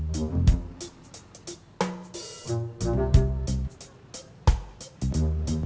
boleh ikut duduk